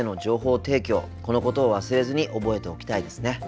このことを忘れずに覚えておきたいですね。